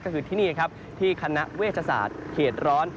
ก็คือที่นี่ครับที่คณะเวชศาสตร์เขตร้อน